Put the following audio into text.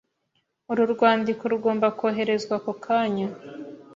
Uru rwandiko rugomba koherezwa ako kanya.